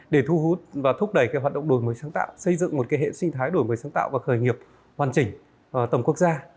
để thu hút và thúc đẩy hoạt động đổi mới sáng tạo xây dựng một hệ sinh thái đổi mới sáng tạo và khởi nghiệp hoàn chỉnh tầm quốc gia